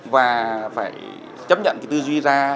và phải chấp nhận cái tư duy ra